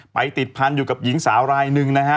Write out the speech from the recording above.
ติดพันอยู่กับหญิงสาวรายหนึ่งนะฮะ